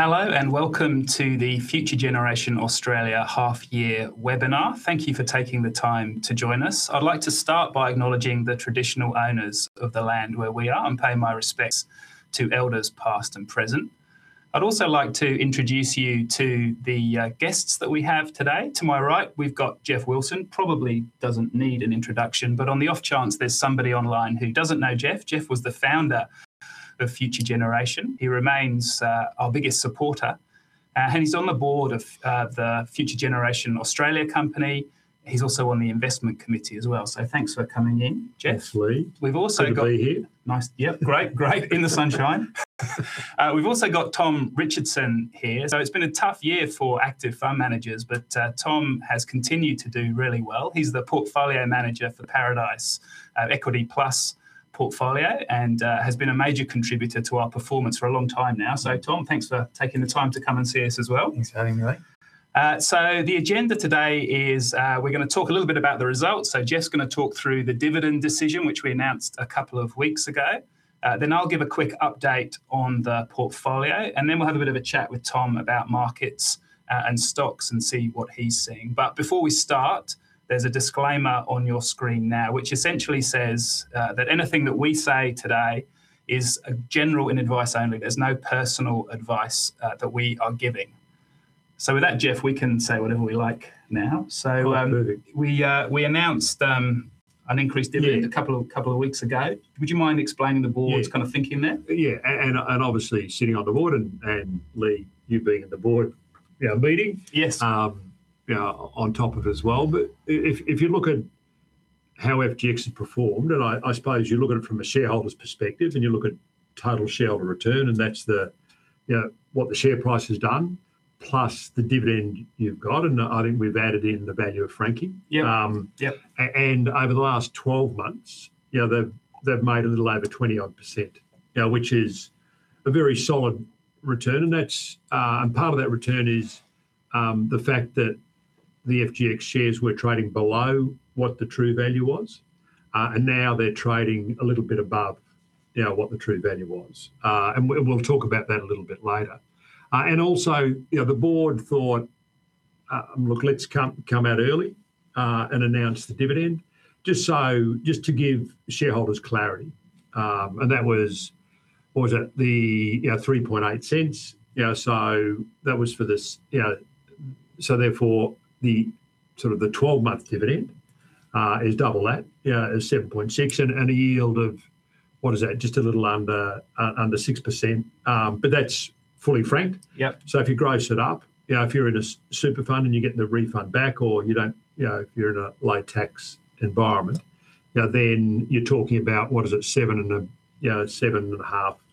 Hello, welcome to the Future Generation Australia half-year webinar. Thank you for taking the time to join us. I'd like to start by acknowledging the traditional owners of the land where we are, and pay my respects to elders past and present. I'd also like to introduce you to the guests that we have today. To my right, we've got Geoff Wilson. Probably doesn't need an introduction, but on the off chance there's somebody online who doesn't know Geoff was the Founder of Future Generation. He remains our biggest supporter, and he's on the Board of the Future Generation Australia company. He's also on the investment committee as well. Thanks for coming in, Geoff. Thanks, Lee. We've also got- Good to be here. Nice. Yep, great. In the sunshine. We've also got Tom Richardson here. It's been a tough year for active Fund Managers, but Tom has continued to do really well. He's the Portfolio Manager for Paradice Equity Plus portfolio, and has been a major contributor to our performance for a long time now. Tom, thanks for taking the time to come and see us as well. Thanks for having me, mate. The agenda today is, we're going to talk a little bit about the results. Geoff's going to talk through the dividend decision, which we announced a couple of weeks ago. I'll give a quick update on the portfolio, and then we'll have a bit of a chat with Tom about markets and stocks, and see what he's seeing. Before we start, there's a disclaimer on your screen now, which essentially says that anything that we say today is general and advice only. There's no personal advice that we are giving. With that, Geoff, we can say whatever we like now. Absolutely. We announced an increased dividend- Yeah. ...a couple of weeks ago. Would you mind explaining the Board's- Yeah. ...kind of thinking there? Yeah. Obviously sitting on the Board, and Lee, you being at the Board meeting- Yes. ...on top of it as well. If you look at how FGX has performed, and I suppose you look at it from a shareholder's perspective, and you look at total shareholder return, and that's what the share price has done, plus the dividend you've got, and I think we've added in the value of franking. Yep. Over the last 12 months, they've made a little over 20-odd%, which is a very solid return. Part of that return is the fact that the FGX shares were trading below what the true value was, and now they're trading a little bit above what the true value was. We'll talk about that a little bit later. Also, the Board thought, "Look, let's come out early, and announce the dividend," just to give shareholders clarity. That was, what was it? The 0.038. Therefore, the 12-month dividend is double that. Is 0.076, and a yield of, what is it? Just a little under 6%, but that's fully franked. Yep. If you gross it up, if you're in a super fund and you're getting the refund back, or if you're in a low-tax environment, then you're talking about, what is it? 7.5%.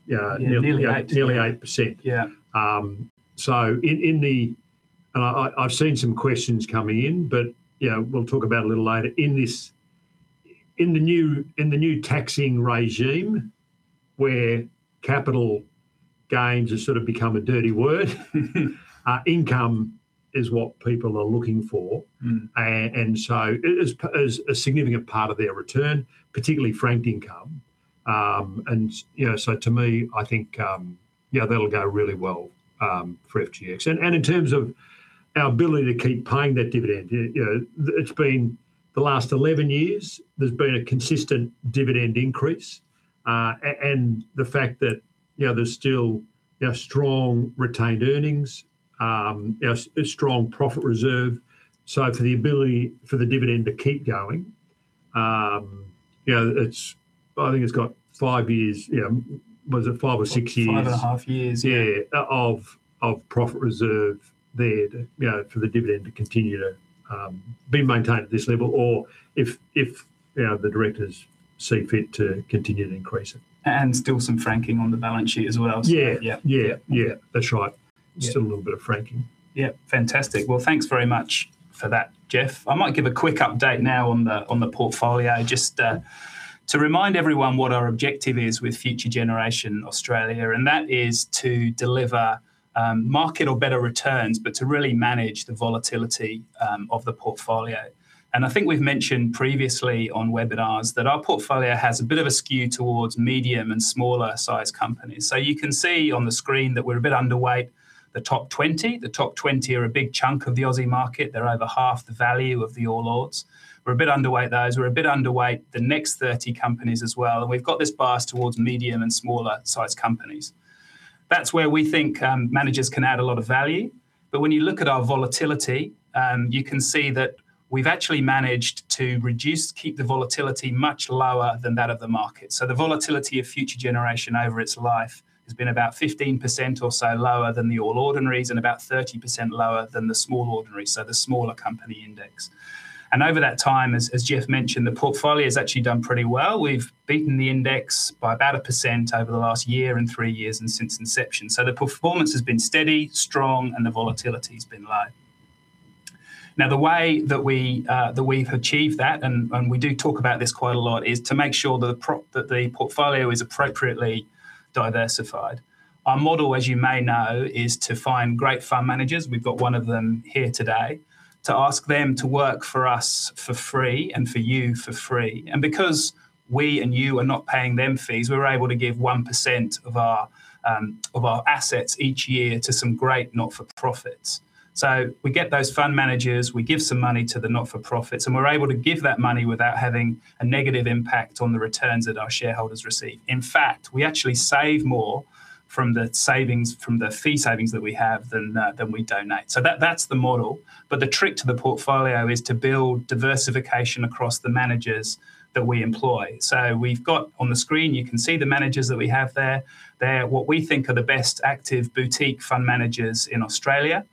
Nearly 8%. Nearly 8%. Yeah. I've seen some questions coming in, but we'll talk about a little later, in the new taxing regime where capital gains have sort of become a dirty word, income is what people are looking for. As a significant part of their return, particularly franked income. To me, I think that'll go really well for FGX. In terms of our ability to keep paying that dividend, the last 11 years, there's been a consistent dividend increase. The fact that there's still strong retained earnings, strong profit reserve, so for the ability for the dividend to keep going, I think it's got five years. Was it five or six years? Five and a half years, yeah. Yeah. Of profit reserve there for the dividend to continue to be maintained at this level, or if the Directors see fit to continue to increase it. Still some franking on the balance sheet as well. Yeah. Yeah. Yeah. That's right. Yeah. Still a little bit of franking. Yep. Fantastic. Well, thanks very much for that, Geoff. I might give a quick update now on the portfolio, just to remind everyone what our objective is with Future Generation Australia, that is to deliver market or better returns, but to really manage the volatility of the portfolio. I think we've mentioned previously on webinars that our portfolio has a bit of a skew towards medium and smaller-sized companies. You can see on the screen that we're a bit underweight the top 20. The top 20 are a big chunk of the Aussie market. They're over half the value of the All Ords. We're a bit underweight those. We're a bit underweight the next 30 companies as well, and we've got this bias towards medium and smaller-sized companies. That's where we think managers can add a lot of value. When you look at our volatility, you can see that we've actually managed to keep the volatility much lower than that of the market. The volatility of Future Generation over its life has been about 15% or so lower than the All Ordinaries, and about 30% lower than the Small Ordinaries, so the smaller company index. Over that time, as Geoff mentioned, the portfolio's actually done pretty well. We've beaten the index by about 1% over the last year, and three years, and since inception. The performance has been steady, strong, and the volatility's been low. The way that we've achieved that, and we do talk about this quite a lot, is to make sure that the portfolio is appropriately diversified. Our model, as you may know, is to find great fund managers, we've got one of them here today, to ask them to work for us for free and for you for free. Because we and you are not paying them fees, we're able to give 1% of our assets each year to some great not-for-profits. We get those fund managers, we give some money to the not-for-profits, and we're able to give that money without having a negative impact on the returns that our shareholders receive. In fact, we actually save more from the fee savings that we have than we donate. That's the model. The trick to the portfolio is to build diversification across the managers that we employ. We've got, on the screen, you can see the managers that we have there. They're what we think are the best active boutique fund managers in Australia.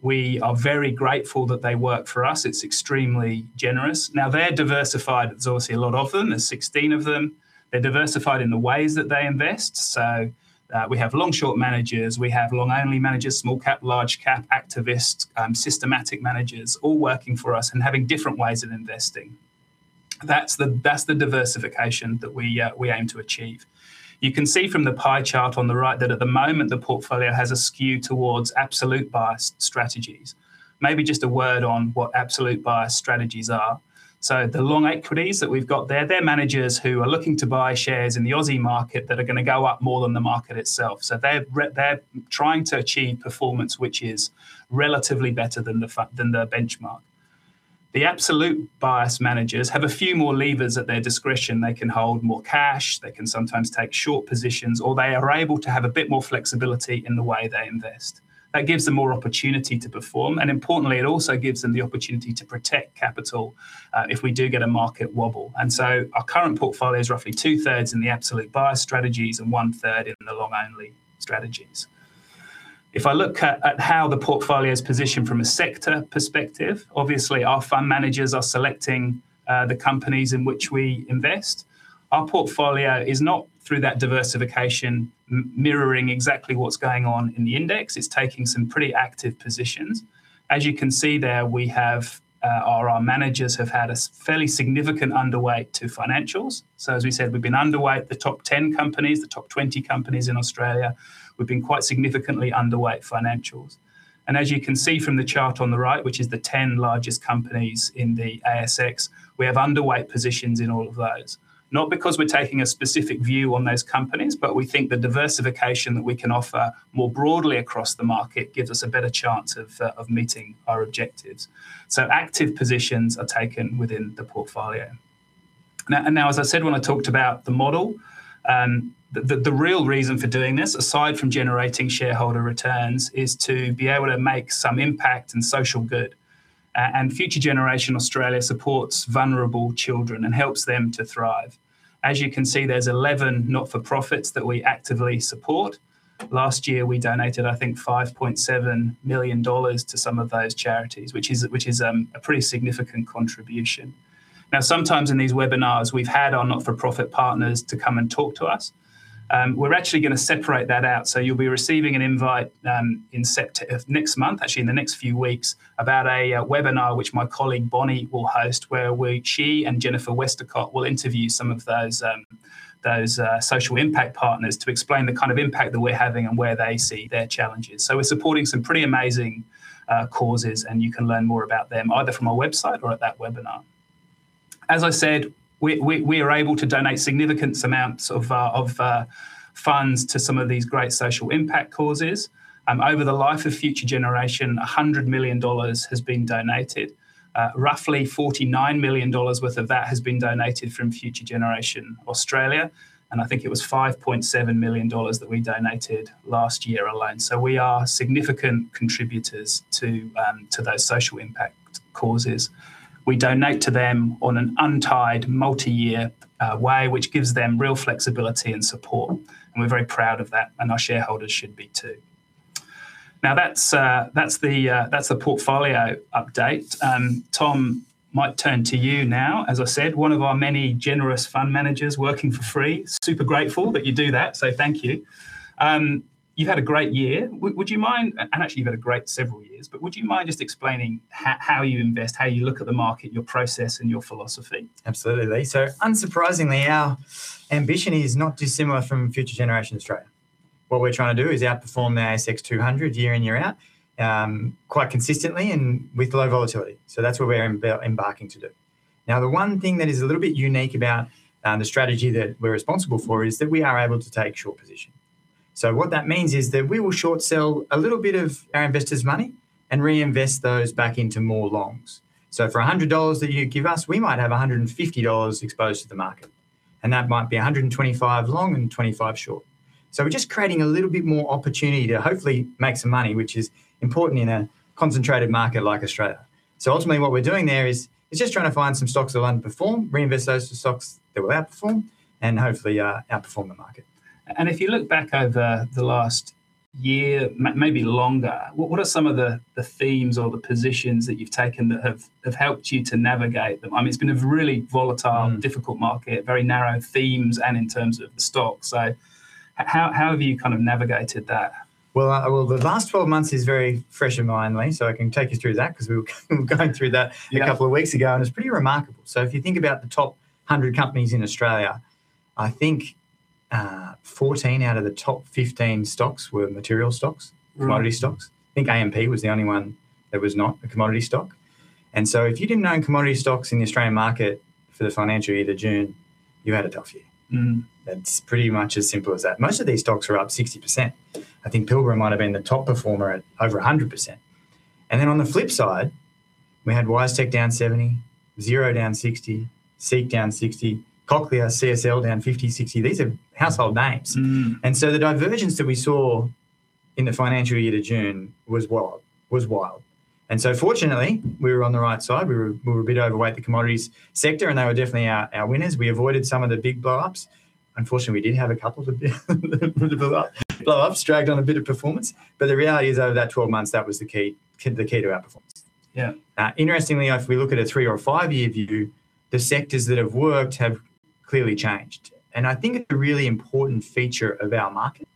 We are very grateful that they work for us. It's extremely generous. They're diversified. There's obviously a lot of them. There's 16 of them. They're diversified in the ways that they invest. We have long-short managers, we have long-only managers, small cap, large cap, activist, systematic managers, all working for us and having different ways of investing. That's the diversification that we aim to achieve. You can see from the pie chart on the right that at the moment the portfolio has a skew towards absolute return strategies. Maybe just a word on what absolute return strategies are. The long equities that we've got there, they're managers who are looking to buy shares in the Aussie market that are going to go up more than the market itself. They're trying to achieve performance which is relatively better than the benchmark. The absolute return managers have a few more levers at their discretion. They can hold more cash, they can sometimes take short positions, or they are able to have a bit more flexibility in the way they invest. That gives them more opportunity to perform, and importantly, it also gives them the opportunity to protect capital if we do get a market wobble. Our current portfolio is roughly two-thirds in the absolute return strategies and 1/3 in the long-only strategies. If I look at how the portfolio's positioned from a sector perspective, obviously our fund managers are selecting the companies in which we invest. Our portfolio is not, through that diversification, mirroring exactly what's going on in the index. It's taking some pretty active positions. As you can see there, our managers have had a fairly significant underweight to financials. As we said, we've been underweight the top 10 companies, the top 20 companies in Australia. We've been quite significantly underweight financials. As you can see from the chart on the right, which is the 10 largest companies in the ASX, we have underweight positions in all of those. Not because we're taking a specific view on those companies, but we think the diversification that we can offer more broadly across the market gives us a better chance of meeting our objectives. Active positions are taken within the portfolio. As I said when I talked about the model, the real reason for doing this, aside from generating shareholder returns, is to be able to make some impact and social good. Future Generation Australia supports vulnerable children and helps them to thrive. As you can see, there's 11 not-for-profits that we actively support. Last year, we donated, I think, 5.7 million dollars to some of those charities, which is a pretty significant contribution. Sometimes in these webinars, we've had our not-for-profit partners to come and talk to us. We're actually going to separate that out. You'll be receiving an invite in the next few weeks about a webinar which my colleague Bonnie will host, where she and Jennifer Westacott will interview some of those social impact partners to explain the kind of impact that we're having and where they see their challenges. We're supporting some pretty amazing causes, and you can learn more about them either from our website or at that webinar. As I said, we are able to donate significant amounts of funds to some of these great social impact causes. Over the life of Future Generation, 100 million dollars has been donated. Roughly 49 million dollars worth of that has been donated from Future Generation Australia, and I think it was 5.7 million dollars that we donated last year alone. We are significant contributors to those social impact causes. We donate to them on an untied, multi-year way, which gives them real flexibility and support, and we're very proud of that, and our shareholders should be, too. That's the portfolio update. Tom, might turn to you now. As I said, one of our many generous fund managers working for free. Super grateful that you do that, thank you. You've had a great year. Actually, you've had a great several years, would you mind just explaining how you invest, how you look at the market, your process, and your philosophy? Absolutely. Unsurprisingly, our ambition is not dissimilar from Future Generation Australia. What we're trying to do is outperform the ASX 200 year in, year out, quite consistently and with low volatility. That's what we're embarking to do. Now, the one thing that is a little bit unique about the strategy that we're responsible for is that we are able to take short position. What that means is that we will short sell a little bit of our investors' money and reinvest those back into more longs. For 100 dollars that you give us, we might have 150 dollars exposed to the market, and that might be 125 long and 25 short. We're just creating a little bit more opportunity to hopefully make some money, which is important in a concentrated market like Australia. Ultimately what we're doing there is just trying to find some stocks that will underperform, reinvest those to stocks that will outperform, and hopefully outperform the market. If you look back over the last year, maybe longer, what are some of the themes or the positions that you've taken that have helped you to navigate them? It's been a really volatile difficult market, very narrow themes, and in terms of the stocks. How have you navigated that? The last 12 months is very fresh in mind, mate, I can take you through that because we were going through that- Yeah. ...a couple of weeks ago, it's pretty remarkable. If you think about the top 100 companies in Australia, I think 14 out of the top 15 stocks were material stocks- Right. ...commodity stocks. I think AMP was the only one that was not a commodity stock. If you didn't own commodity stocks in the Australian market for the financial year to June, you had a tough year. It's pretty much as simple as that. Most of these stocks are up 60%. I think Pilbara Minerals might have been the top performer at over 100%. On the flip side, we had WiseTech down 70%, Xero down 60%, [SEEK] down 60%, Cochlear, CSL down 50%, 60%. These are household names. The divergence that we saw in the financial year to June was wild. Fortunately, we were on the right side. We were a bit overweight in the commodities sector, and they were definitely our winners. We avoided some of the big blow-ups. Unfortunately, we did have a couple of the blow-ups, dragged on a bit of performance. The reality is, over that 12 months, that was the key to our performance. Yeah. Interestingly enough, if we look at a three or a five-year view, the sectors that have worked have clearly changed, and I think it's a really important feature of our market.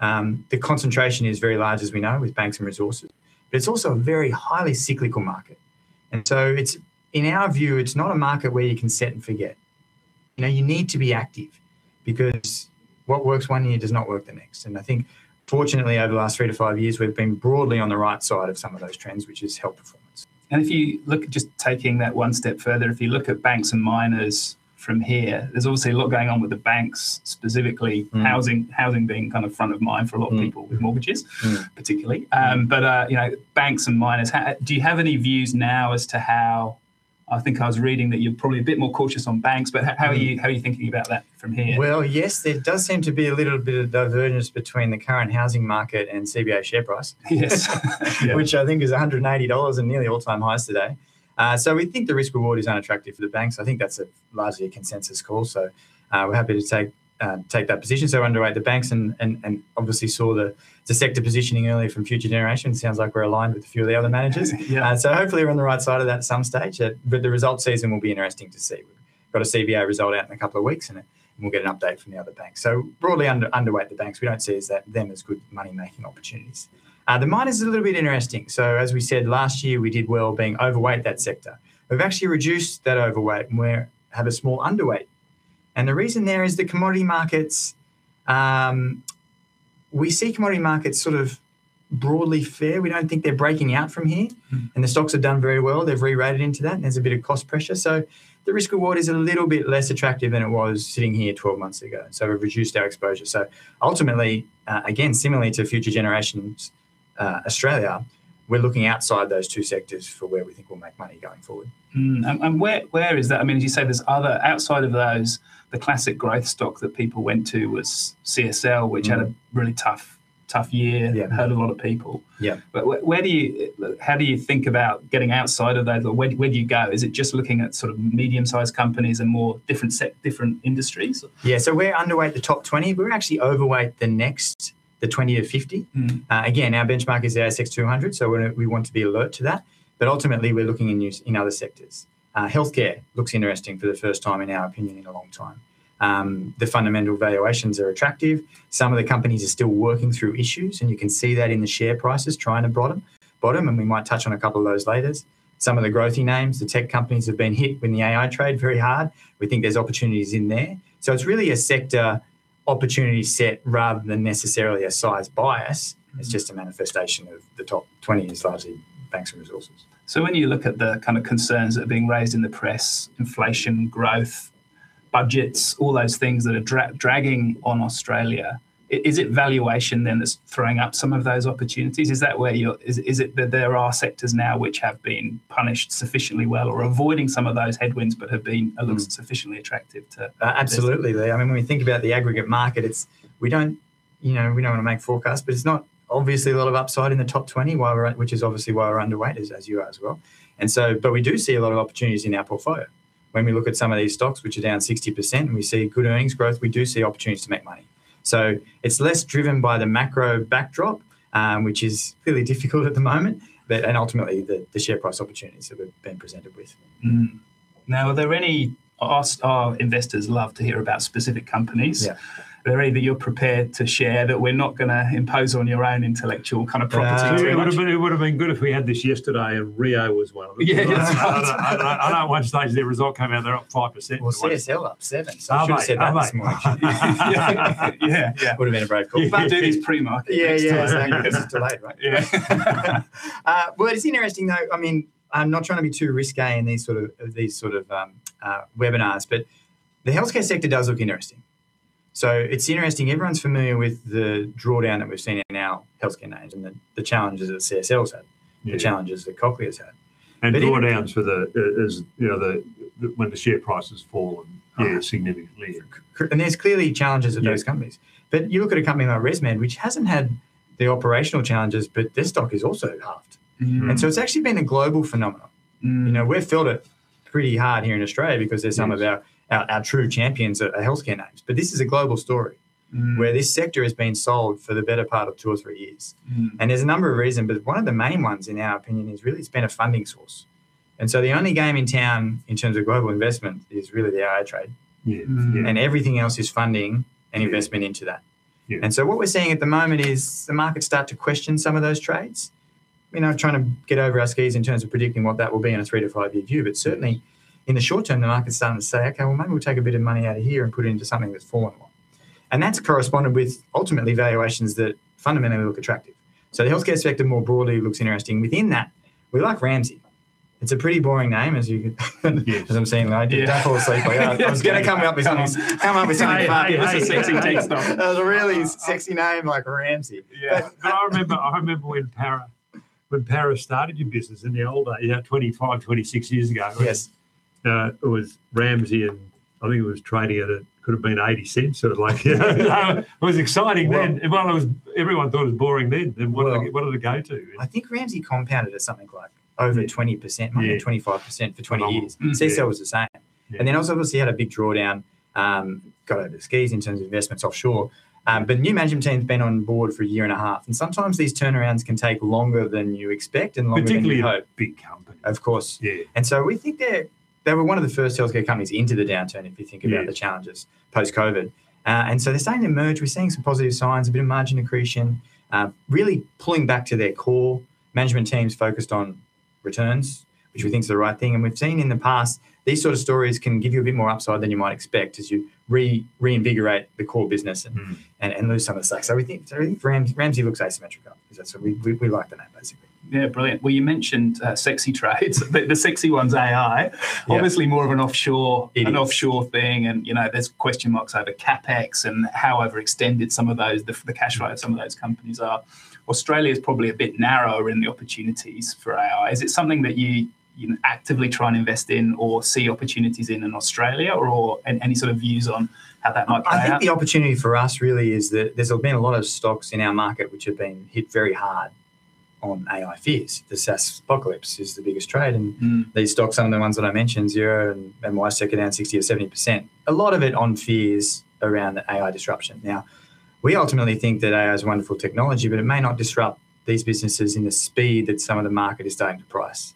The concentration is very large, as we know, with banks and resources, but it's also a very highly cyclical market. In our view, it's not a market where you can set and forget. You need to be active because what works one year does not work the next. I think fortunately, over the last three to five years, we've been broadly on the right side of some of those trends, which has helped performance. If you look at just taking that one step further, if you look at banks and miners from here, there's obviously a lot going on with the banks, specifically. Housing being kind of front of mind for a lot of people with mortgages. Banks and miners, do you have any views now as to how I think I was reading that you're probably a bit more cautious on banks, but how are you thinking about that from here? Well, yes, there does seem to be a little bit of divergence between the current housing market and CBA share price. Yes. Yeah. Which I think is [190 dollars] and nearly all-time highs today. We think the risk-reward is unattractive for the banks. I think that's largely a consensus call, so we're happy to take that position. We're underweight the banks, and obviously saw the sector positioning earlier from Future Generation. Sounds like we're aligned with a few of the other managers. Yeah. Hopefully we're on the right side of that at some stage. The results season will be interesting to see. Got a CBA result out in a couple of weeks, and we'll get an update from the other banks. Broadly underweight the banks. We don't see them as good money-making opportunities. The miners are a little bit interesting. As we said, last year we did well being overweight that sector. We've actually reduced that overweight, and we have a small underweight. The reason there is the commodity markets, we see commodity markets sort of broadly fair. We don't think they're breaking out from here. The stocks have done very well. They've rerated into that, and there's a bit of cost pressure. The risk-reward is a little bit less attractive than it was sitting here 12 months ago, so we've reduced our exposure. Ultimately, again, similarly to Future Generation Australia, we're looking outside those two sectors for where we think we'll make money going forward. Mm. Where is that? As you say, outside of those, the classic growth stock that people went to was CSL which had a really tough year. Yeah. It hurt a lot of people. Yeah. How do you think about getting outside of those, or where do you go? Is it just looking at sort of medium-sized companies and more different industries? Yeah. We're underweight the top 20, but we're actually overweight the next, the 20-50. Our benchmark is the ASX 200, we want to be alert to that. Ultimately we're looking in other sectors. Healthcare looks interesting for the first time, in our opinion, in a long time. The fundamental valuations are attractive. Some of the companies are still working through issues, and you can see that in the share prices, trying to bottom, and we might touch on a couple of those later. Some of the growthy names, the tech companies have been hit in the AI trade very hard. We think there's opportunities in there. It's really a sector opportunity set rather than necessarily a size bias. It's just a manifestation of the top 20 is largely banks and resources. When you look at the kind of concerns that are being raised in the press, inflation, growth, budgets, all those things that are dragging on Australia, is it valuation then that's throwing up some of those opportunities? Is it that there are sectors now which have been punished sufficiently well or are avoiding some of those headwinds, but have been sufficiently attractive to invest in? Absolutely. When we think about the aggregate market, we don't want to make forecasts, but there's not obviously a lot of upside in the top 20, which is obviously why we're underweight, as you are as well. We do see a lot of opportunities in our portfolio. When we look at some of these stocks, which are down 60%, and we see good earnings growth, we do see opportunities to make money. It's less driven by the macro backdrop, which is fairly difficult at the moment, and ultimately the share price opportunities that we've been presented with. Mm. Now, our investors love to hear about specific companies. Yeah. Are there any that you're prepared to share that we're not going to impose on your own intellectual kind of property too much? It would've been good if we had this yesterday, and Rio was one of them. Yeah. I know at one stage their result came out, they're up 5%. CSL up 7%. 7%. I should've said that this morning. Yeah. Would've been a very cool call. If you do these pre-market next time. Yeah, yeah, exactly. It's delayed, right? Yeah. It is interesting though. I'm not trying to be too risque in these sort of webinars, the healthcare sector does look interesting. It's interesting, everyone's familiar with the drawdown that we've seen in our healthcare names, and the challenges that CSL's had- Yeah. ...the challenges that Cochlear's had. If you- Drawdowns for when the share price has fallen- Yeah. ...significantly. There's clearly challenges with those companies. Yeah. You look at a company like ResMed, which hasn't had the operational challenges, but their stock is also halved. It's actually been a global phenomenon. We've felt it pretty hard here in Australia because there's- Yes. ...some of our true champions are healthcare names. This is a global story where this sector has been sold for the better part of two or three years. There's a number of reasons, but one of the main ones, in our opinion, is really it's been a funding source. The only game in town in terms of global investment is really the AI trade. Yeah. Everything else is funding and investment into that. Yeah. What we're seeing at the moment is the markets start to question some of those trades. Trying to get over our skis in terms of predicting what that will be in a three-to-five-year view. Certainly, in the short term, the market's starting to say, "Okay, well, maybe we'll take a bit of money out of here and put it into something that's fallen more." That's corresponded with, ultimately, valuations that fundamentally look attractive. The healthcare sector more broadly looks interesting. Within that, we like Ramsay. It's a pretty boring name- Yes. ...as I'm saying, don't fall asleep on me. A really sexy name, like Ramsay. Yeah. No, I remember when Paradice started your business in the old days, 25, 26 years ago. Yes. It was Ramsay, and I think it was trading at, it could've been 0.80, or like It was exciting then. Well, everyone thought it was boring then. Well- What did it go to? I think Ramsay compounded at something like over 20%- Yeah. ...maybe 25% for 20 years. Wow. CSL was the same. Yeah. Obviously, it had a big drawdown, got over its skis in terms of investments offshore. New management team's been on Board for a year and a half, and sometimes these turnarounds can take longer than you expect, and longer than you hope. Particularly in a big company. Of course. Yeah. We think they were one of the first healthcare companies into the downturn, if you think about. Yeah The challenges post-COVID. They're starting to emerge. We're seeing some positive signs, a bit of margin accretion, really pulling back to their core. Management team's focused on returns, which we think is the right thing. We've seen in the past these sort of stories can give you a bit more upside than you might expect, as you reinvigorate the core business. And lose some of the slack. We think Ramsay looks asymmetrical. We like the name, basically. Yeah, brilliant. Well, you mentioned sexy trades. The sexy one's AI. Yeah. Obviously more of an offshore- It is. ...an offshore thing, and there's question marks over CapEx and however extended the cash flow of some of those companies are. Australia's probably a bit narrower in the opportunities for AI. Is it something that you actively try and invest in or see opportunities in Australia? Any views on how that might play out? I think the opportunity for us, really, is that there's been a lot of stocks in our market which have been hit very hard on AI fears. The SaaSpocalypse is the biggest trade, and these stocks, some of the ones that I mentioned, Xero and WiseTech are down 60% or 70%. A lot of it on fears around the AI disruption. We ultimately think that AI's a wonderful technology, but it may not disrupt these businesses in the speed that some of the market is starting to price.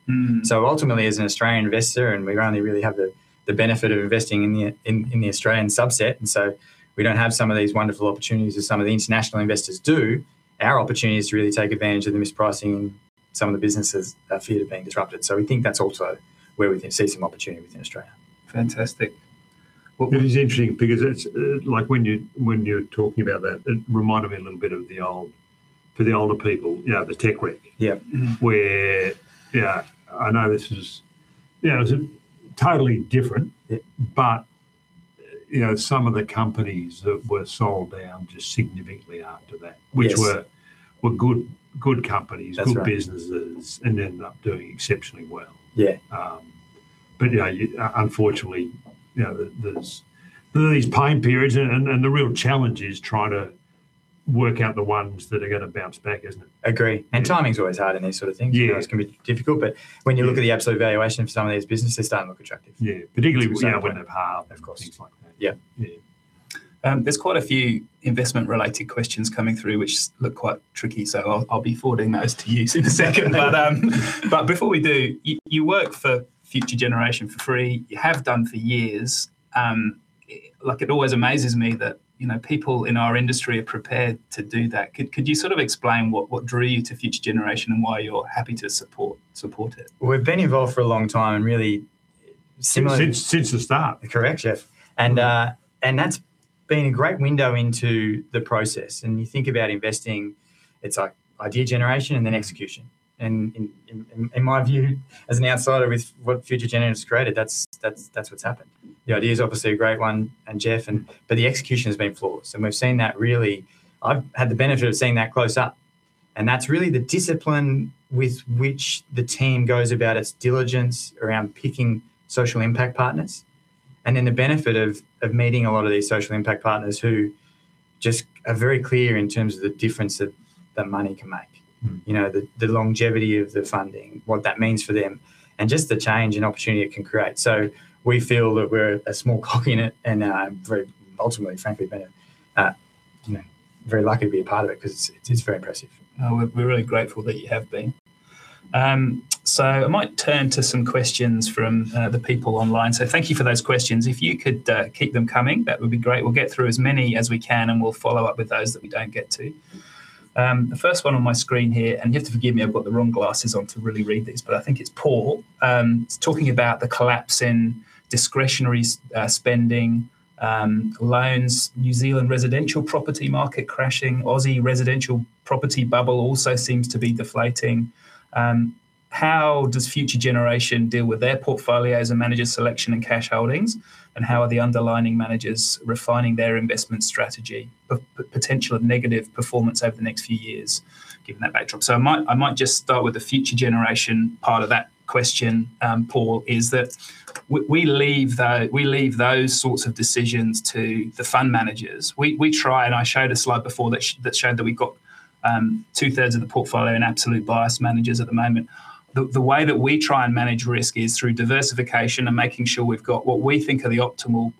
Ultimately, as an Australian investor, and we only really have the benefit of investing in the Australian subset, and so we don't have some of these wonderful opportunities that some of the international investors do. Our opportunity is to really take advantage of the mispricing in some of the businesses that are feared of being disrupted. We think that's also where we can see some opportunity within Australia. Fantastic. It is interesting, because when you're talking about that, it reminded me a little bit, for the older people, the tech wreck. Yeah. I know this is totally different- Yeah. ...some of the companies that were sold down just significantly after that- Yes. ...which were good companies- That's right. ...good businesses, and ended up doing exceptionally well. Yeah. Yeah, unfortunately, there's these pain periods, and the real challenge is trying to work out the ones that are going to bounce back, isn't it? Agree. Timing's always hard in these sort of things. Yeah. It can be difficult, but when you look at the absolute valuation of some of these businesses, they're starting to look attractive. Yeah. Particularly- Yeah. [inaudible] Of course Things like that. Yeah. Yeah. There's quite a few investment-related questions coming through, which look quite tricky, so I'll be forwarding those to you in a second. Before we do, you work for Future Generation for free. You have done for years. It always amazes me that people in our industry are prepared to do that. Could you explain what drew you to Future Generation, and why you're happy to support it? We've been involved for a long time. Since the start. Correct Geoff. Yeah. That's been a great window into the process. You think about investing, it's like idea generation and then execution. In my view, as an outsider, with what Future Generation has created, that's what's happened. The idea is obviously a great one, Geoff, the execution has been flawless. We've seen that, really, I've had the benefit of seeing that close up. That's really the discipline with which the team goes about its diligence around picking social impact partners, and then the benefit of meeting a lot of these social impact partners who just are very clear in terms of the difference that that money can make. The longevity of the funding, what that means for them, and just the change and opportunity it can create. We feel that we're a small cog in it, and ultimately, frankly, been very lucky to be a part of it, because it's very impressive. Oh, we're really grateful that you have been. I might turn to some questions from the people online. Thank you for those questions. If you could keep them coming, that would be great. We'll get through as many as we can, and we'll follow up with those that we don't get to. The first one on my screen here, and you have to forgive me, I've got the wrong glasses on to really read these, but I think it's Paul. He's talking about the collapse in discretionary spending, loans, New Zealand residential property market crashing, Aussie residential property bubble also seems to be deflating. How does Future Generation deal with their portfolio as a manager selection and cash holdings, and how are the underlying managers refining their investment strategy, the potential of negative performance over the next few years, given that backdrop? I might just start with the Future Generation part of that question, Paul, is that we leave those sorts of decisions to the fund managers. We try, and I showed a slide before that showed that we've got 2/3 of the portfolio in absolute return managers at the moment. The way that we try and manage risk is through diversification and making sure we've got what we think are the optimal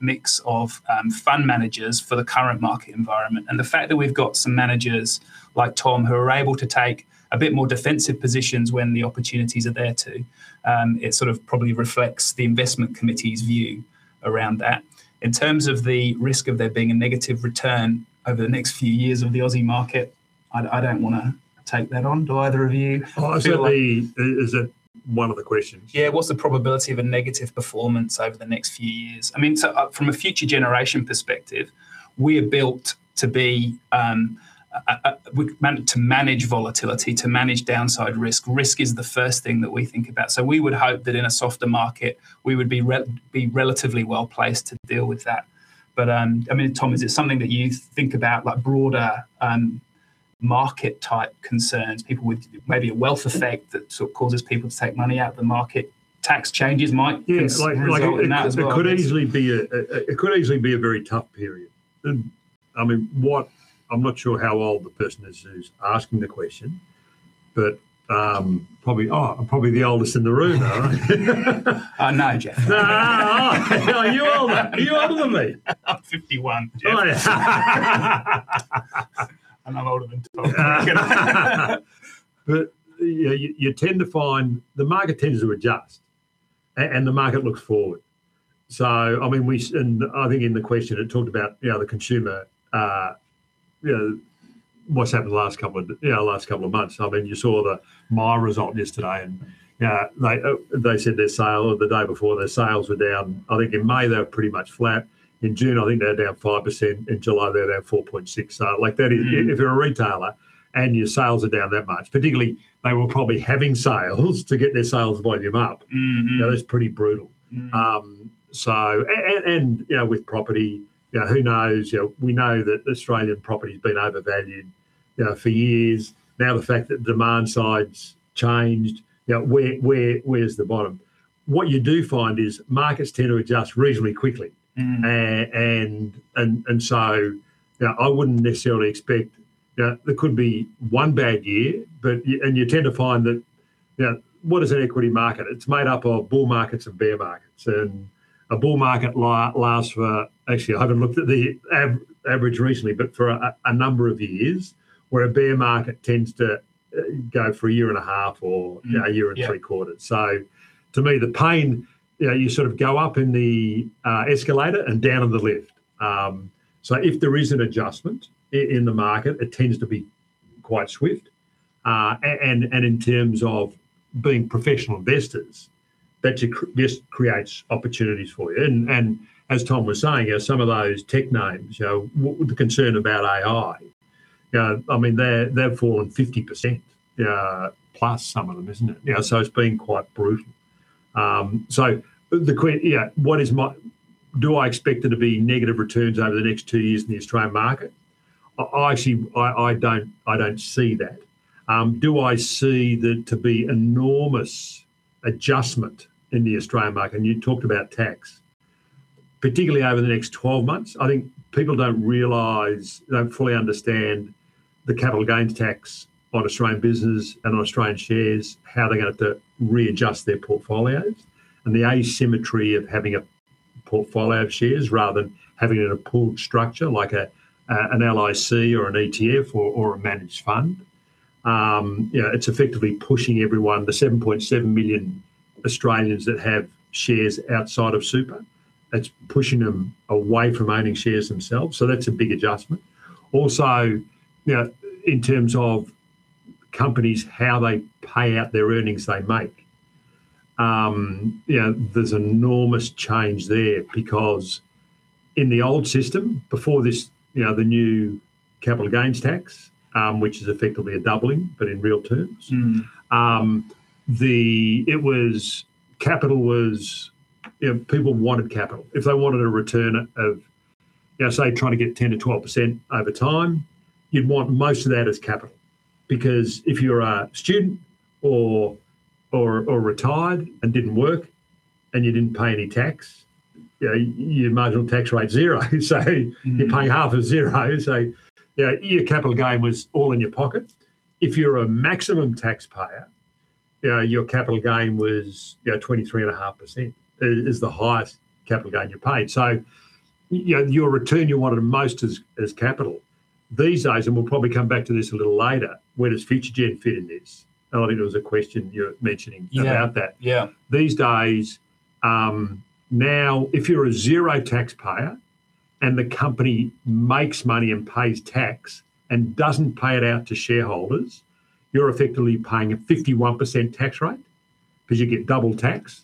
mix of fund managers for the current market environment. The fact that we've got some managers, like Tom, who are able to take a bit more defensive positions when the opportunities are there to, it probably reflects the investment committee's view around that. In terms of the risk of there being a negative return over the next few years of the Aussie market, I don't want to take that on do either of you feel like- Oh, is that one of the questions? Yeah. What's the probability of a negative performance over the next few years? From a Future Generation perspective, we are built to manage volatility, to manage downside risk. Risk is the first thing that we think about. We would hope that in a softer market, we would be relatively well-placed to deal with that. Tom, is it something that you think about, like broader market-type concerns, people with maybe a wealth effect that sort of causes people to take money out of the market? Tax changes might- Yes. ...result in that as well It could easily be a very tough period. I'm not sure how old the person is who's asking the question, but Oh, I'm probably the oldest in the room, are I? Oh, no, Geoff. No. Oh. Are you older than me? I'm 51, Geoff. I'm older than Tom. The market tends to adjust, and the market looks forward. I think in the question it talked about the consumer, what's happened the last couple of months. You saw the Myer result yesterday, and they said the day before their sales were down, I think in May they were pretty much flat. In June, I think they were down 5%. In July, they were down 4.6%. If you're a retailer and your sales are down that much, particularly they were probably halving sales to get their sales volume up, that's pretty brutal. With property, who knows? We know that Australian property's been overvalued for years. Now the fact that demand side's changed, where's the bottom? What you do find is markets tend to adjust reasonably quickly. I wouldn't necessarily expect There could be one bad year, and you tend to find that, what is an equity market? It's made up of bull markets and bear markets. A bull market lasts for, actually, I haven't looked at the average recently, but for a number of years. Where a bear market tends to go for a year and a half or a year. Mm. Yep. To me, the pain, you sort of go up in the escalator and down in the lift. If there is an adjustment in the market, it tends to be quite swift. In terms of being professional investors, that just creates opportunities for you. As Tom was saying, some of those tech names, the concern about AI, they've fallen 50%+ some of them, isn't it? Yeah. It's been quite brutal. Do I expect there to be negative returns over the next two years in the Australian market? I don't see that. Do I see there to be enormous adjustment in the Australian market? You talked about tax. Particularly over the next 12 months, I think people don't realize, don't fully understand the capital gains tax on Australian business and on Australian shares, how they're going to have to readjust their portfolios, and the asymmetry of having a portfolio of shares rather than having it in a pooled structure like an LIC or an ETF or a managed fund. It's effectively pushing everyone, the 7.7 million Australians that have shares outside of super, it's pushing them away from owning shares themselves. That's a big adjustment. In terms of companies, how they pay out their earnings they make. There's enormous change there because in the old system, before the new capital gains tax, which is effectively a doubling, but in real terms. People wanted capital. If they wanted a return of, say, trying to get 10%-12% over time, you'd want most of that as capital. If you're a student or retired and didn't work, and you didn't pay any tax, your marginal tax rate's zero, you're paying half of zero. Your capital gain was all in your pocket. If you're a maximum taxpayer, your capital gain was 23.5%, is the highest capital gain you paid. Your return, you wanted most as capital. These days, we'll probably come back to this a little later, where does Future Gen fit in this? I think there was a question you were mentioning- Yeah. ...about that. Yeah. These days, now if you're a zero taxpayer and the company makes money and pays tax and doesn't pay it out to shareholders, you're effectively paying a 51% tax rate because you get double tax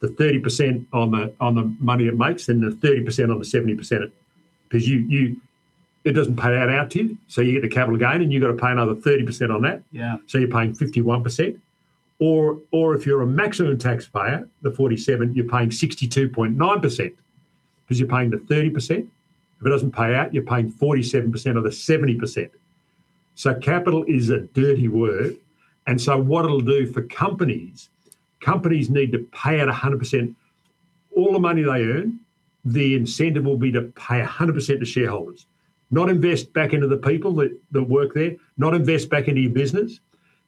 to 30% on the money it makes, then the 30% on the 70%, because it doesn't pay that out to you, so you get the capital gain and you've got to pay another 30% on that. Yeah. You're paying 51%. If you're a maximum taxpayer, the 47%, you're paying 62.9%, because you're paying the 30%. If it doesn't pay out, you're paying 47% of the 70%. Capital is a dirty word, and so what it'll do for companies need to pay out 100%, all the money they earn, the incentive will be to pay 100% to shareholders, not invest back into the people that work there, not invest back into your business.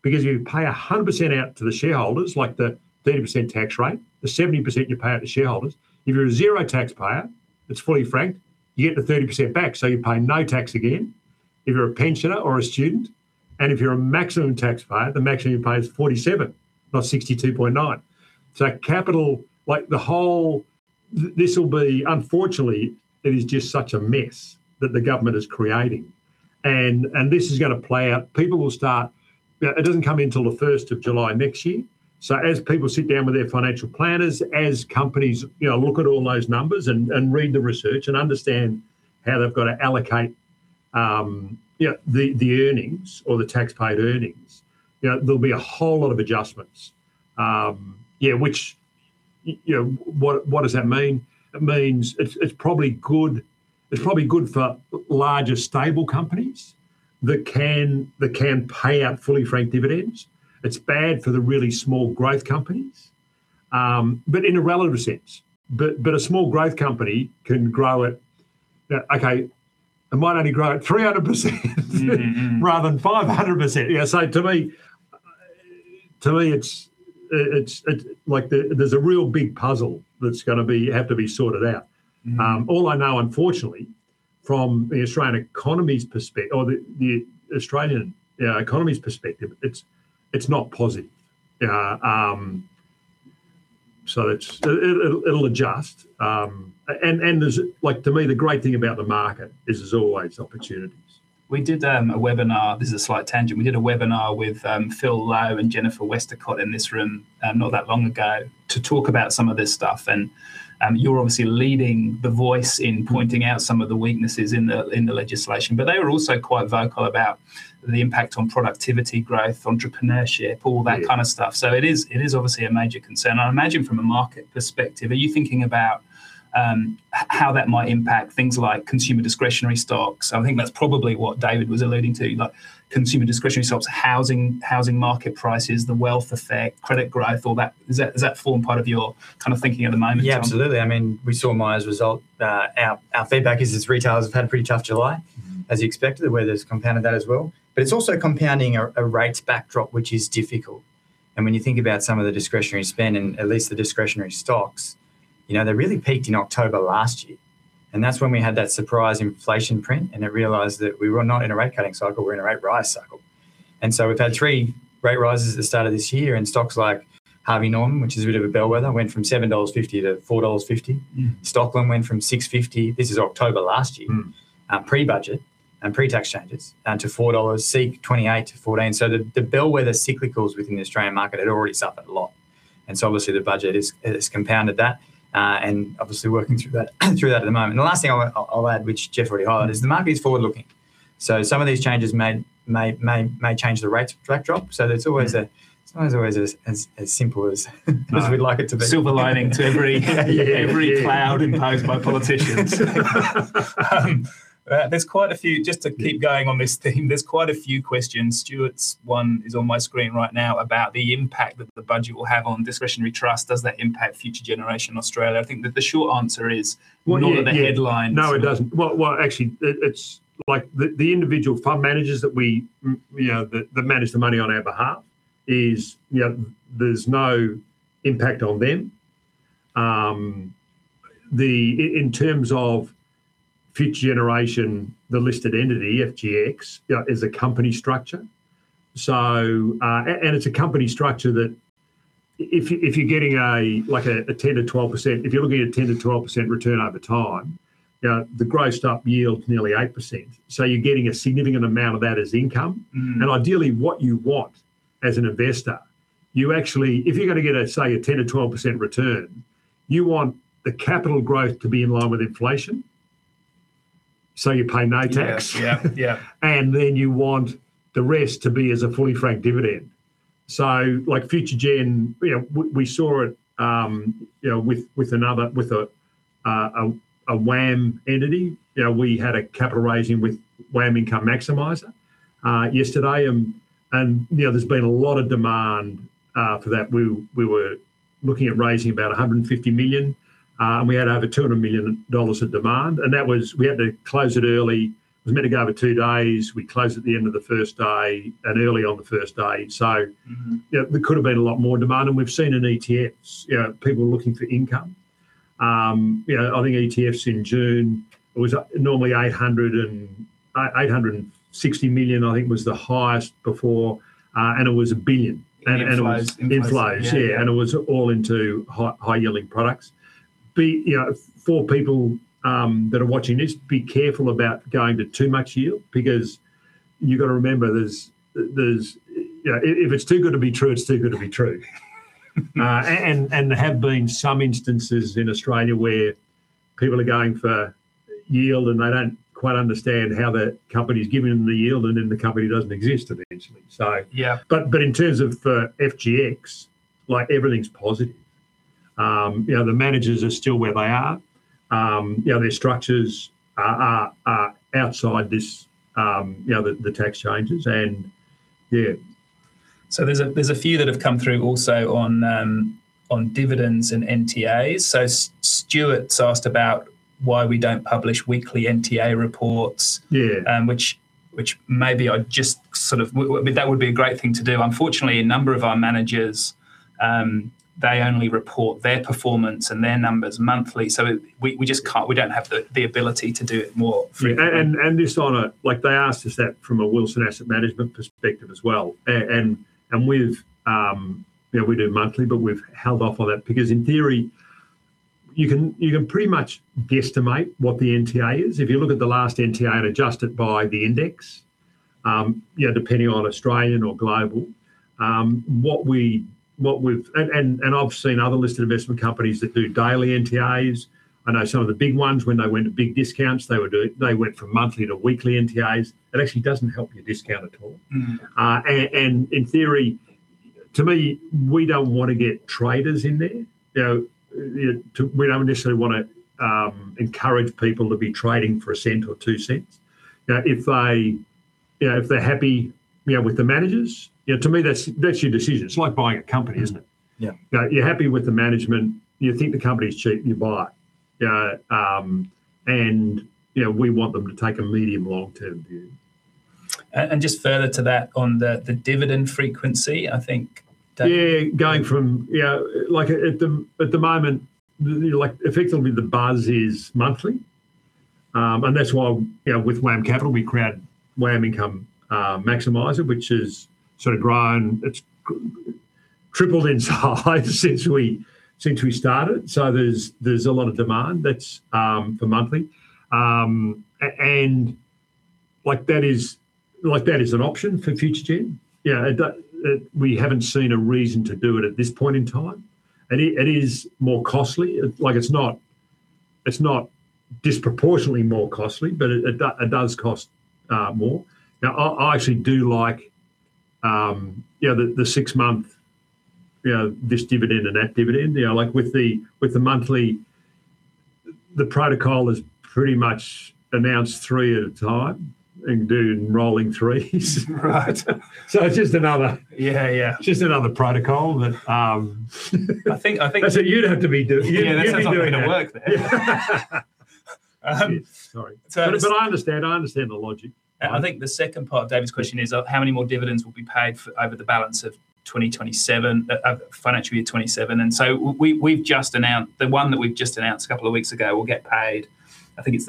If you pay 100% out to the shareholders, like the 30% tax rate, the 70% you pay out to shareholders, if you're a zero taxpayer that's fully franked, you get the 30% back so you pay no tax again. If you're a pensioner or a student, and if you're a maximum taxpayer, the maximum you pay is 47%, not 62.9%. Capital, the whole Unfortunately, it is just such a mess that the government is creating. This is going to play out. It doesn't come in until July 1st next year, so as people sit down with their financial planners, as companies look at all those numbers and read the research and understand how they've got to allocate the earnings or the tax paid earnings, there'll be a whole lot of adjustments. What does that mean? It means it's probably good for larger, stable companies that can pay out fully franked dividends. It's bad for the really small growth companies, but in a relative sense. A small growth company can grow at, okay, it might only grow at 300% rather than 500%. To me, there's a real big puzzle that's going to have to be sorted out. All I know, unfortunately, from the Australian economy's perspective, it's not positive. It'll adjust. To me, the great thing about the market is there's always opportunities. We did a webinar, this is a slight tangent, we did a webinar with Phil Lowe and Jennifer Westacott in this room not that long ago to talk about some of this stuff. You're obviously leading the voice in pointing out some of the weaknesses in the legislation. They were also quite vocal about the impact on productivity, growth, entrepreneurship, all that kind of stuff. Yeah. It is obviously a major concern, and I imagine from a market perspective, are you thinking about how that might impact things like consumer discretionary stocks? I think that's probably what David was alluding to, consumer discretionary stocks, housing market prices, the wealth effect, credit growth, all that. Has that formed part of your thinking at the moment, Tom? Yeah, absolutely. We saw Myer's result. Our feedback is its retailers have had a pretty tough July. As you expected, the weather's compounded that as well. It's also compounding a rates backdrop, which is difficult. When you think about some of the discretionary spend, and at least the discretionary stocks, they really peaked in October last year, and that's when we had that surprise inflation print, and they realized that we were not in a rate cutting cycle, we're in a rate rise cycle. We've had three rate rises at the start of this year, and stocks like Harvey Norman, which is a bit of a bellwether, went from 7.50-4.50 dollars. Stockland went from 6.50, this is October last year pre-budget and pre-tax changes, down to 4 dollars, [SEEK] 28-14. The bellwether cyclicals within the Australian market had already suffered a lot, obviously the budget has compounded that, obviously working through that at the moment. The last thing I'll add, which Geoff already highlighted. Is the market is forward-looking. Some of these changes may change the rates backdrop, so it's not always as simple as we'd like it to be. No. Silver lining to- Yeah. ...every cloud imposed by politicians. Just to keep going on this theme, there's quite a few questions. Stuart's one is on my screen right now about the impact that the budget will have on discretionary trusts. Does that impact Future Generation Australia? I think that the short answer is- Well, yeah. ...not in the headlines. No, it doesn't. Well, actually, it's like the individual fund managers that manage the money on our behalf, there's no impact on them. In terms of Future Generation, the listed entity, FGX, is a company structure. It's a company structure that if you're looking at a 10%-12% return over time, the grossed up yield is nearly 8%, so you're getting a significant amount of that as income. Ideally, what you want as an investor, if you're going to get, say, a 10%-12% return, you want the capital growth to be in line with inflation, so you pay no tax. Yeah. Yeah. You want the rest to be as a fully franked dividend. Future Gen, we saw it with a WAM entity. We had a capital raising with WAM Income Maximiser yesterday, there's been a lot of demand for that. We were looking at raising about 150 million, we had over 200 million dollars of demand. We had to close it early. It was meant to go over two days. We closed at the end of the first day, early on the first day. There could've been a lot more demand. We've seen in ETFs, people are looking for income. I think ETFs in June, it was normally 860 million, I think, was the highest before, and it was 1 billion. In flows. Yeah. In flows, yeah. It was all into high-yielding products. For people that are watching this, be careful about going to too much yield because you've got to remember, if it's too good to be true, it's too good to be true. There have been some instances in Australia where people are going for yield, and they don't quite understand how the company's giving them the yield, and then the company doesn't exist eventually. Yeah. In terms of FGX, everything's positive. The managers are still where they are. Their structures are outside the tax changes. Yeah. There's a few that have come through also on dividends and NTAs. Stuart's asked about why we don't publish weekly NTA reports- Yeah. ...which maybe that would be a great thing to do. Unfortunately, a number of our managers, they only report their performance and their numbers monthly, so we don't have the ability to do it more frequently. They asked us that from a Wilson Asset Management perspective as well. We do monthly, but we've held off on that, because in theory, you can pretty much guesstimate what the NTA is. If you look at the last NTA and adjust it by the index, depending on Australian or global. I've seen other listed investment companies that do daily NTAs. I know some of the big ones, when they went to big discounts, they went from monthly to weekly NTAs. It actually doesn't help your discount at all. In theory, to me, we don't want to get traders in there. We don't necessarily want to encourage people to be trading for AUD 0.01 or 0.02. If they're happy with the managers, to me, that's your decision. It's like buying a company, isn't it? Yeah. You're happy with the management, you think the company's cheap, you buy. We want them to take a medium long-term view. Just further to that on the dividend frequency. At the moment, effectively the buzz is monthly, and that's why, with WAM Capital, we created WAM Income Maximiser, which has grown. It's tripled in size since we started, so there's a lot of demand that's for monthly. That is an option for Future Gen. We haven't seen a reason to do it at this point in time. It is more costly. It's not disproportionately more costly, but it does cost more. I actually do like the six-month, this dividend and that dividend. With the monthly, the protocol is pretty much announce three at a time and do rolling threes. Right. It's just another. Yeah. Just another protocol that. I think. That's what you'd have to be doing. You'd be doing it. That's not going to work there. Shit. Sorry. So- I understand the logic I think the second part of Dave's question is, how many more dividends will be paid over the balance of financial year 2027? The one that we've just announced a couple of weeks ago will get paid, I think it goes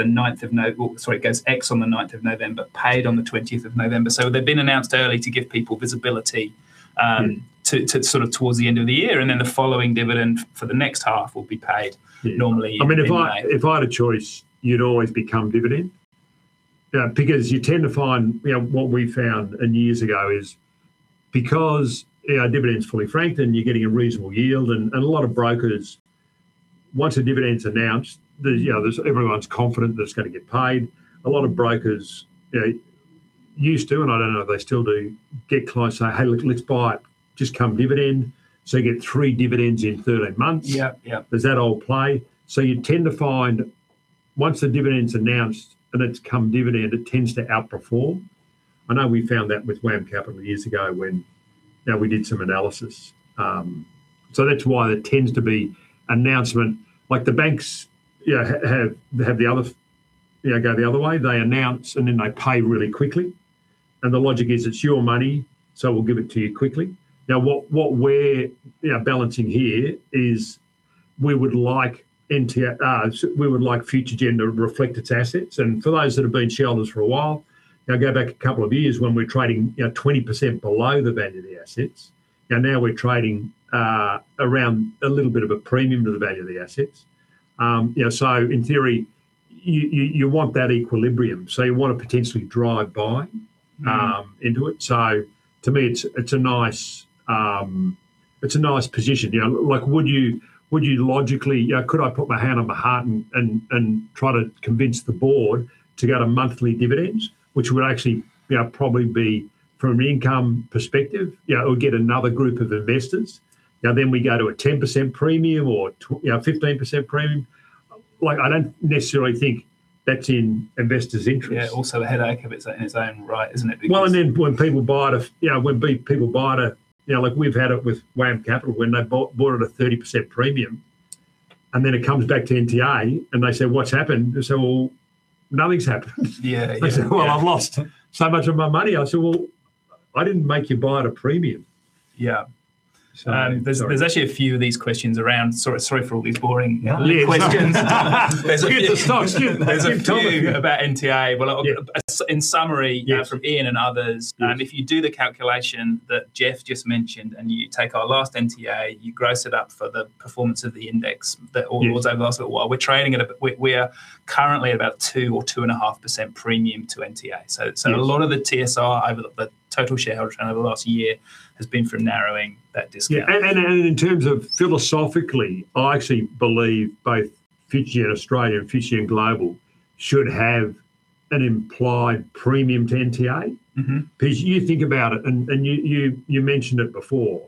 ex on the 9th of November, paid on November 20th. They've been announced early to give people visibility towards the end of the year, the following dividend for the next half will be paid- Yeah. ...normally in May. If I had a choice, you'd always become dividend. You tend to find, what we found years ago is, because our dividend's fully franked and you're getting a reasonable yield, and a lot of brokers, once a dividend's announced, everyone's confident that it's going to get paid. A lot of brokers used to, and I don't know if they still do, get clients say, "Hey, look, let's buy it, just come dividend," so you get three dividends in 13 months. Yep. There's that old play. You tend to find, once the dividend's announced, and it's come dividend, it tends to outperform. I know we found that with WAM Capital years ago when we did some analysis. That's why there tends to be announcement, like the banks go the other way. They announce, and then they pay really quickly, and the logic is it's your money, so we'll give it to you quickly. Now, what we're balancing here is we would like Future Gen to reflect its assets. For those that have been shareholders for a while, go back a couple of years when we're trading 20% below the value of the assets, and now we're trading around a little bit of a premium to the value of the assets. In theory, you want that equilibrium, so you want to potentially drive buy into it. To me, it's a nice position. Could I put my hand on my heart and try to convince the Board to go to monthly dividends, which would actually probably be, from an income perspective, it would get another group of investors. Then we go to a 10% premium or a 15% premium. I don't necessarily think that's in investors' interests. Yeah. Also, the headache of it in its own right, isn't it? When people buy it at, like we've had it with WAM Capital, when they bought at a 30% premium, it comes back to NTA and they say, "What's happened?" They say, "Well, nothing's happened. Yeah. They say, "Well, I've lost so much of my money." I say, "Well, I didn't make you buy at a premium. Yeah. Sorry. There's actually a few of these questions around, sorry for all these boring legal questions. No. It's good to talk. It's good. There's a few- It's good. ...talking about NTA. Well- Yeah. ...in summary- Yes. ...from Ian and others. Yes. If you do the calculation that Geoff just mentioned, and you take our last NTA, you gross it up for the performance of the index that- Yes. ...those over the last little while, we are currently at about 2% or 2.5% premium to NTA. Yes. A lot of the TSR, the total shareholder return, over the last year has been from narrowing that discount. In terms of philosophically, I actually believe both Future Generation Australia and Future Generation Global should have an implied premium to NTA. You think about it, and you mentioned it before,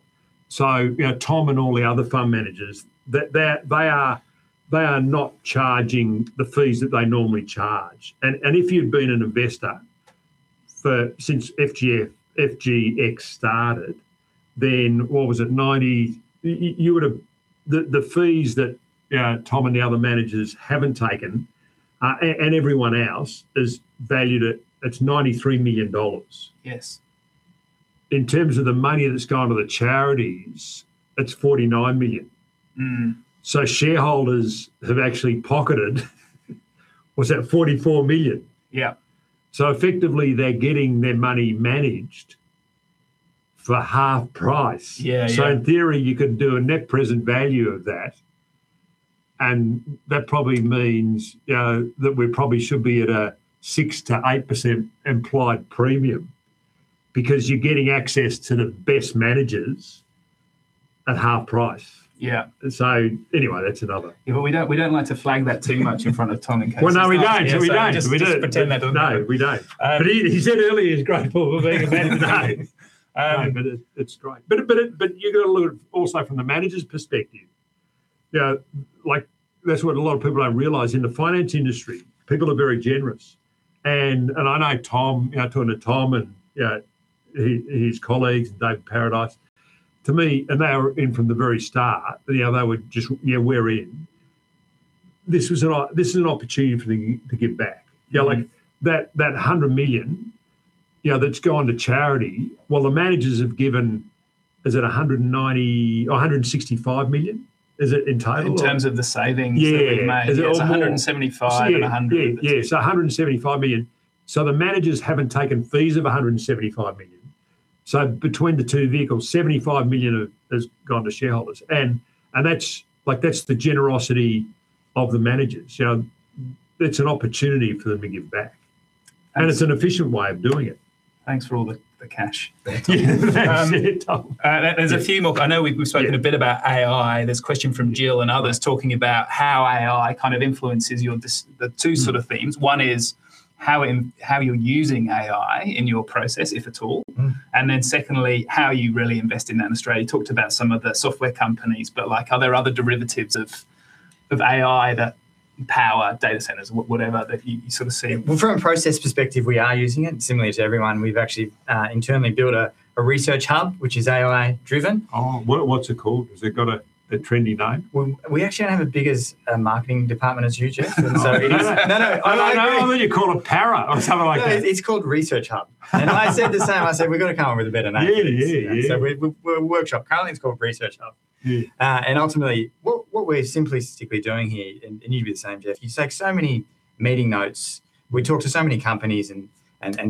so Tom and all the other fund managers, they are not charging the fees that they normally charge. If you'd been an investor since FGX started, the fees that Tom and the other managers haven't taken, and everyone else, is valued at 93 million dollars. Yes. In terms of the money that's gone to the charities, it's 49 million. Shareholders have actually pocketed, what's that? 44 million. Yeah. Effectively, they're getting their money managed for half price. Yeah. In theory, you could do a net present value of that, and that probably means that we probably should be at a 6%-8% implied premium, because you're getting access to the best managers at half price. Yeah. Anyway, that's another. Yeah, we don't like to flag that too much in front of Tom in case- Well, no, we don't. ...he gets upset. We do. We just pretend that doesn't- No, we don't. ...exist. He said earlier he's grateful for being a benefactor. It's great. You've got to look at it also from the manager's perspective. That's what a lot of people don't realize. In the finance industry, people are very generous, and I know Tom, talking to Tom and his colleagues, Dave Paradice, to me. They were in from the very start. They were just, "Yeah, we're in." This is an opportunity for me to give back. That 100 million that's gone to charity, while the managers have given, is it 190 million or 165 million, is it, in total? In terms of the savings that we've made- Yeah. ...it's 175 and 100. Yeah. 175 million. The managers haven't taken fees of 175 million, so between the two vehicles, 75 million has gone to shareholders. That's the generosity of the managers. It's an opportunity for them to give back, and it's an efficient way of doing it. Thanks for all the cash. Yeah. Thanks, Tom. There's a few more. I know we've spoken a bit about AI. There's a question from Jill and others talking about how AI kind of influences the two sort of themes. One is how you're using AI in your process, if at all, and then secondly, how you really invest in that in Australia. You talked about some of the software companies, but are there other derivatives of AI that power data centers? Whatever that you sort of see. Well, from a process perspective, we are using it, similarly to everyone. We've actually internally built a Research Hub, which is AI driven. Oh, what's it called? Has it got a trendy name? Well, we actually don't have as big a marketing department as you, Geoff. No. I thought you'd call it Paradice or something like that. No, it's called Research Hub. I said the same. I said, "We've got to come up with a better name for this. Yeah. We're a workshop. Currently, it's called Research Hub. Yeah. Ultimately, what we're simply doing here, and you'd be the same, Geoff, you take so many meeting notes. We talk to so many companies and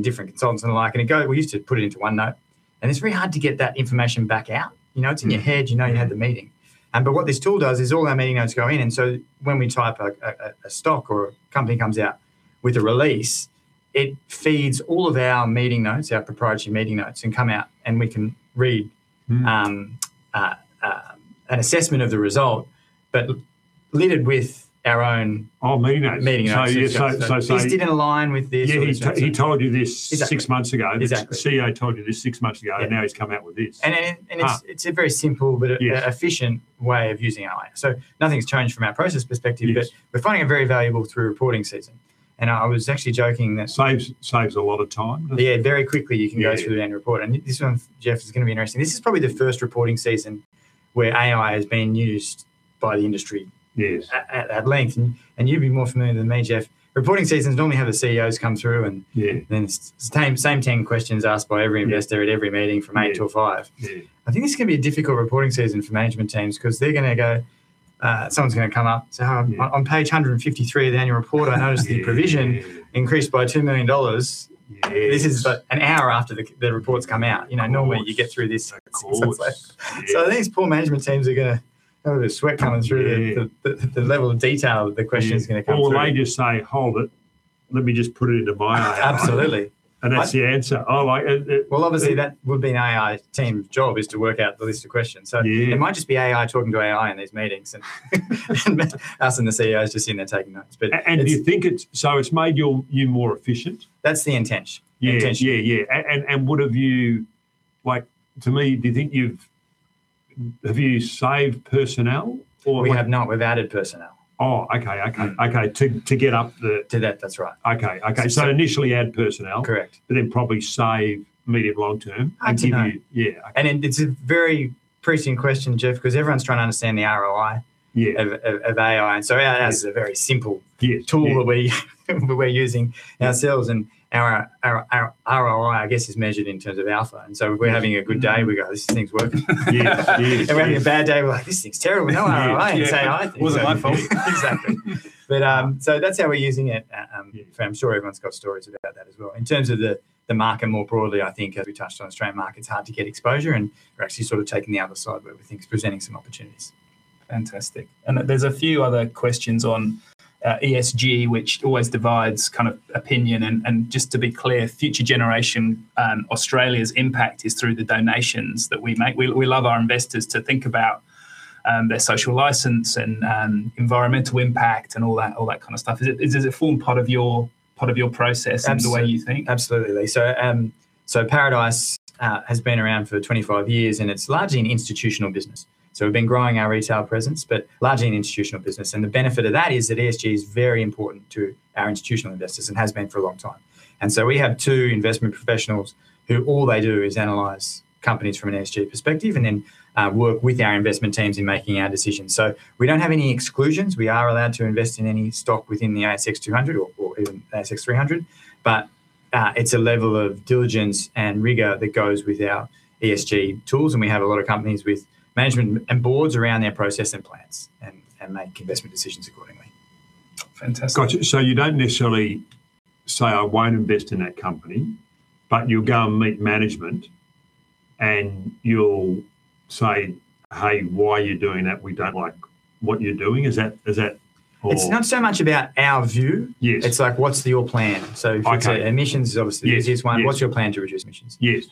different consultants and the like, and we used to put it into OneNote, and it's very hard to get that information back out. It's in your head, you know you had the meeting. What this tool does is all our meeting notes go in, and so when we type a stock or a company comes out with a release, it feeds all of our meeting notes, our proprietary meeting notes, and come out and we can read an assessment of the result, but littered with our own- Meeting notes. ...meeting notes. Yeah- This didn't align with this. Yeah, he told you this six months ago. Exactly. The CEO told you this six months ago. Now he's come out with this. It's a very simple- Yes. ...efficient way of using AI. Nothing's changed from our process perspective. Yes. We're finding it very valuable through reporting season. I was actually joking that. Saves a lot of time, doesn't it? Yeah, very quickly you can go through an annual report. This one, Geoff, is going to be interesting. This is probably the first reporting season where AI is being used by the industry- Yes. ...at length. You'd be more familiar than me, Geoff. Reporting seasons normally have the CEOs come through- Yeah. It's the same 10 questions asked by every investor at every meeting from 8:00-5:00. Yeah. I think it's going to be a difficult reporting season for management teams because they're going to go, someone's going to come up, say, "On page 153 of the annual report, I noticed the provision increased by 2 million dollars. Yes. This is but an hour after the report's come out. Of course. Normally you get through this stuff like Yeah. These poor management teams are going to have a sweat coming through- Yeah. ...the level of detail that the questions are going to come through. Will they just say, "Hold it. Let me just put it into my AI. Absolutely. That's the answer. I like it. Well, obviously that would be an AI team's job, is to work out the list of questions. Yeah. it might just be AI talking to AI in these meetings, and us and the CEOs just in there taking notes. Do you think it's made you more efficient? That's the intention. Yeah. What have you, to me, do you think you've saved personnel? We have not. We've added personnel. Oh, okay. To get up the. To that's right. Okay. Initially add personnel. Correct Probably save medium long term. Hard to know. Continued, yeah. Okay. It's a very prescient question, Geoff, because everyone's trying to understand the ROI- Yeah. ...of AI, and so that's a very simple tool- Yeah. ...that we're using ourselves, our ROI, I guess, is measured in terms of alpha. If we're having a good day, we go, "This thing's working. Yes. We're having a bad day, we're like, "This thing's terrible. No ROI in AI things. Wasn't my fault. Exactly. That's how we're using it at, I'm sure everyone's got stories about that as well. In terms of the market more broadly, I think, as we touched on, Australian market, it's hard to get exposure, and we're actually sort of taking the other side where we think it's presenting some opportunities. Fantastic. There's a few other questions on ESG, which always divides opinion and, just to be clear, Future Generation Australia's impact is through the donations that we make. We love our investors to think about their social license and environmental impact and all that kind of stuff. Does it form part of your process and the way you think? Absolutely. Paradice has been around for 25 years, and it's largely an institutional business. We've been growing our retail presence, but largely an institutional business. The benefit of that is that ESG is very important to our institutional investors and has been for a long time. We have two investment professionals who all they do is analyze companies from an ESG perspective and then work with our investment teams in making our decisions. We don't have any exclusions. We are allowed to invest in any stock within the ASX 200 or even ASX 300, but it's a level of diligence and rigor that goes with our ESG tools. We have a lot of companies with management and boards around their process and plans, and make investment decisions accordingly. Fantastic. Got you. You don't necessarily say, "I won't invest in that company," but you'll go and meet management, and you'll say, "Hey, why are you doing that? We don't like what you're doing." Is that all? It's not so much about our view. Yes. It's like, "What's your plan? Okay. If you say emissions is- Yes. ...the easiest one, "What's your plan to reduce emissions? Yes.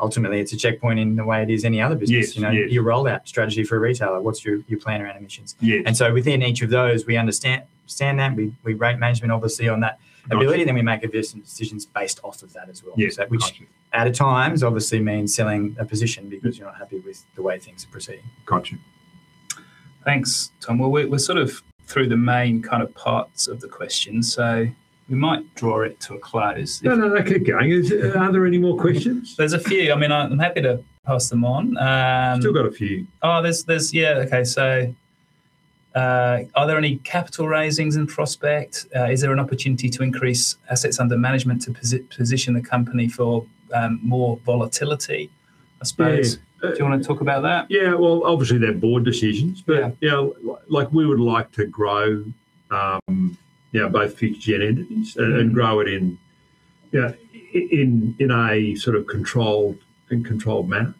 Ultimately it's a checkpoint in the way it is any other business. Yes. Your rollout strategy for a retailer, what's your plan around emissions? Yes. Within each of those, we understand that, we rate management obviously on that ability- Got you, ...we make investment decisions based off of that as well. Yes, got you. At times obviously means selling a position because you're not happy with the way things are proceeding. Got you. Thanks, Tom. Well, we're sort of through the main parts of the questions. We might draw it to a close. No, keep going. Are there any more questions? There's a few. I'm happy to pass them on. Still got a few. Yeah. Okay. Are there any capital raisings in prospect? Is there an opportunity to increase assets under management to position the company for more volatility? Yeah. Do you want to talk about that? Yeah. Well, obviously they're Board decisions- Yeah. ...we would like to grow both Future Generation entities and grow it in a sort of controlled manner.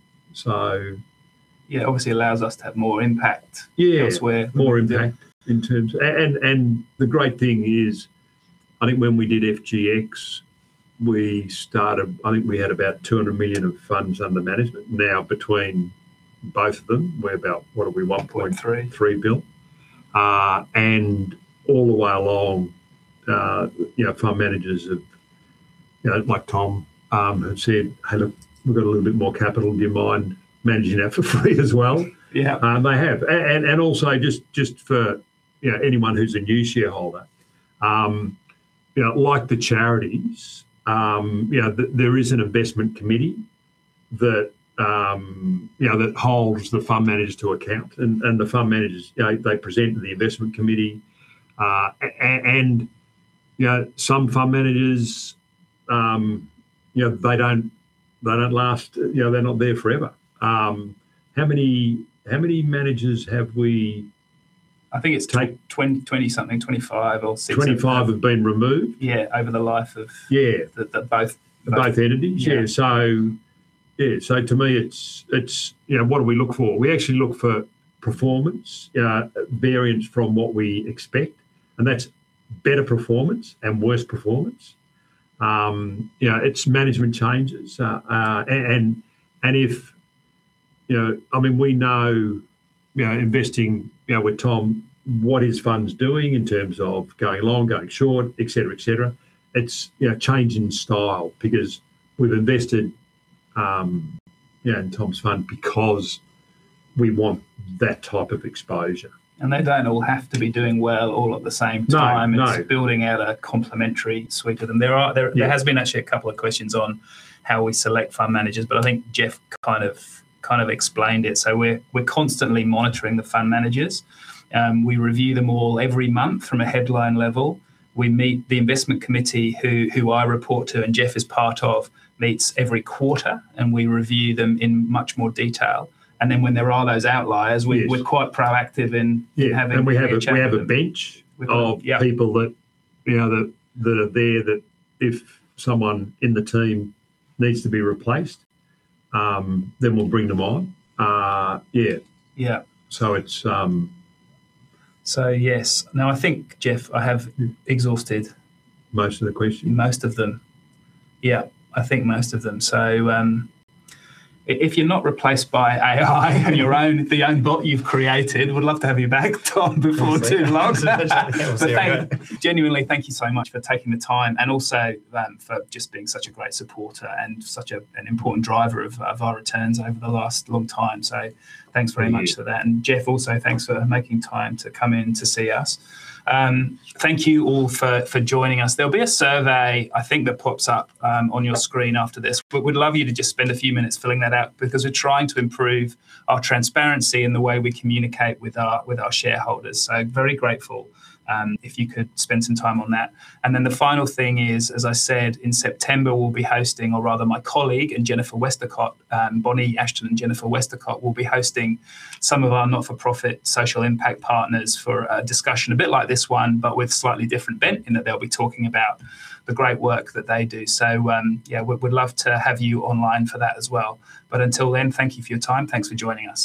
Yeah, it obviously allows us to have more impact- Yeah. ...elsewhere. More impact. The great thing is, I think when we did FGX, I think we had about 200 million of funds under management. Now between both of them, we are about, what are we, one point- Three. ..AUD 3 billion. All the way along, fund managers have, like Tom, have said, "Hey, look, we have got a little bit more capital. Do you mind managing that for free as well? Yeah. They have. Also just for anyone who is a new shareholder, like the charities, there is an investment committee that holds the fund managers to account. The fund managers, they present to the investment committee, and some fund managers, they are not there forever. How many managers have we- I think it is 20 something, 25 or six- 25 have been removed? Yeah, over the life of- Yeah. .both. Both entities? Yeah. Yeah. To me it's what do we look for? We actually look for performance, variance from what we expect, and that's better performance and worse performance. It's management changes. We know, investing with Tom, what his fund's doing in terms of going long, going short, et cetera. It's changing style because we've invested in Tom's fund because we want that type of exposure. They don't all have to be doing well all at the same time. No. It's building out a complimentary suite of them. Yeah. There has been actually a couple of questions on how we select fund managers, but I think Geoff kind of explained it. We're constantly monitoring the fund managers. We review them all every month from a headline level. We meet the investment committee, who I report to and Geoff is part of, meets every quarter, and we review them in much more detail. Then when there are those outliers- Yes. ...we're quite proactive in- Yeah. ...having a chat with them. We have a- Yep. ...of people that are there that if someone in the team needs to be replaced, then we'll bring them on. Yeah. Yeah- It's- ...yes. No, I think, Geoff, I have exhausted- Most of the questions. ...most of them. Yeah, I think most of them. If you're not replaced by AI and your own bot you've created, would love to have you back, Tom, before too long- We'll see about that. ..genuinely, thank you so much for taking the time, and also for just being such a great supporter and such an important driver of our returns over the last long time. Thanks very much for that. Thank you. Geoff also, thanks for making time to come in to see us. Thank you all for joining us. There'll be a survey, I think, that pops up on your screen after this, but we'd love you to just spend a few minutes filling that out, because we're trying to improve our transparency in the way we communicate with our shareholders. Very grateful if you could spend some time on that. The final thing is, as I said, in September, we'll be hosting, or rather my colleague and Jennifer Westacott, Bonnie Ashton, and Jennifer Westacott, will be hosting some of our not-for-profit social impact partners for a discussion a bit like this one, but with a slightly different bent in that they'll be talking about the great work that they do. Yeah, we'd love to have you online for that as well. Until then, thank you for your time. Thanks for joining us.